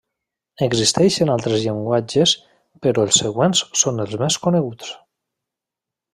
Existeixen altres llenguatges però els següents són els més coneguts.